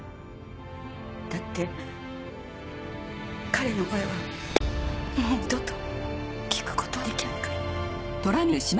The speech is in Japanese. だって彼の声はもう二度と聞くことはできないから。